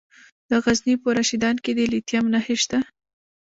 د غزني په رشیدان کې د لیتیم نښې شته.